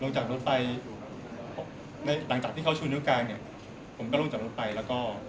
จากรถไปในหลังจากที่เขาชูนิ้วกลางเนี่ยผมก็ลงจากรถไปแล้วก็